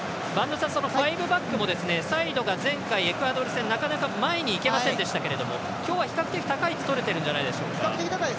ファイブバックも播戸さん、サイドが前回エクアドル戦なかなか前にいけませんでしたけど比較的高い位置を取れてるんじゃないでしょうか。